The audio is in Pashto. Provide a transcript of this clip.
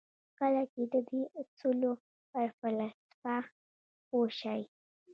کله چې د دې اصولو پر فلسفه پوه شئ.